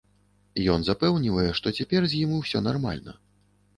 Ён запэўнівае, што цяпер з ім усё нармальна.